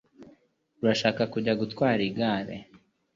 Urashaka kujya gutwara igare?